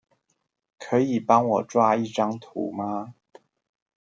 可以幫我抓一張圖嗎？